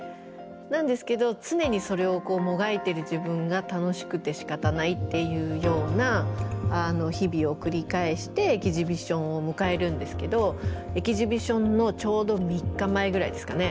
なんですけど常にそれをもがいてる自分が楽しくてしかたないっていうような日々を繰り返してエキシビションを迎えるんですけどエキシビションのちょうど３日前ぐらいですかね